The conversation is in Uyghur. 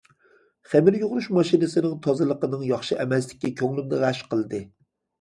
خېمىر يۇغۇرۇش ماشىنىسىنىڭ تازىلىقىنىڭ ياخشى ئەمەسلىكى كۆڭلۈمنى غەش قىلدى.